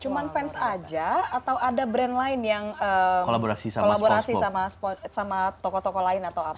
cuma fans aja atau ada brand lain yang kolaborasi sama toko toko lain atau apa